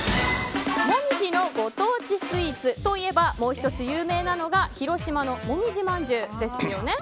モミジのご当地スイーツといえばもう１つ有名なのが広島のもみじまんじゅうですよね。